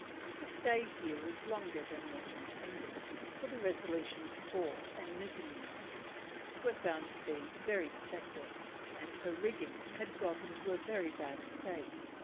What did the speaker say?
The stay here was longer than was intended, for the Resolution's fore and mizzen masts were found to be very defective, and her rigging had got into a very bad state.